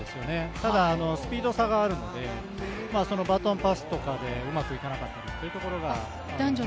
ただスピード差があるのでバトンパスとかでうまくいかなかったりというところが。